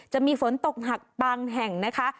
จะมีฝนตกหนักบางแห่งนะคะ